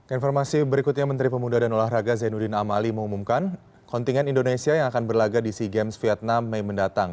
informasi berikutnya menteri pemuda dan olahraga zainuddin amali mengumumkan kontingen indonesia yang akan berlagak di sea games vietnam mei mendatang